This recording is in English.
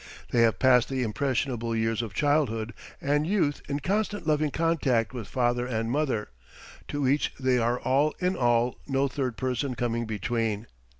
They have passed the impressionable years of childhood and youth in constant loving contact with father and mother, to each they are all in all, no third person coming between.